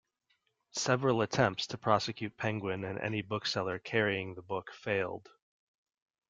Several attempts to prosecute Penguin and any bookseller carrying the book failed.